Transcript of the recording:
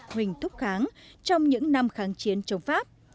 huỳnh thúc kháng trong những năm kháng chiến chống pháp